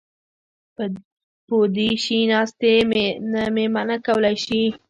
پو دې شي ناستې نه مې منع کولی شي.